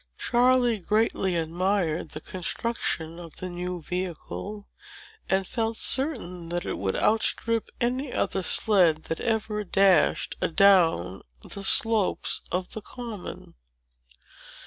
Charley greatly admired the construction of the new vehicle, and felt certain that it would outstrip any other sled that ever dashed adown the long slopes of the Common.